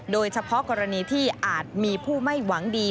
โดยเฉพาะกรณีที่อาจมีผู้ไม่หวังดี